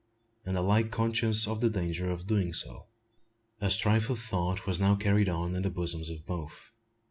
and alike conscious of the danger of doing so. A strife of thought was now carried on in the bosoms of both.